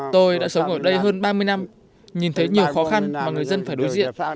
tôi đã sống ở đây hơn ba mươi năm nhìn thấy nhiều khó khăn mà người dân phải đối diện